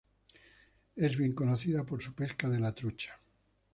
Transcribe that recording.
Es bien conocido por su pesca de la trucha.